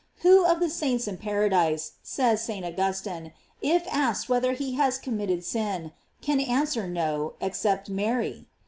Who of the saints in paradise, says St. Augustine, if asked whether he has committed eins, can answer no, except Mary